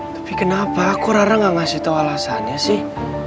tapi kenapa aku rara nggak ngasih tahu alasannya sih